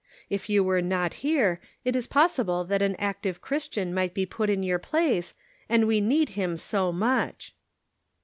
If you were not here, it is possible that an active Christian might be put in your place, and we need him so much."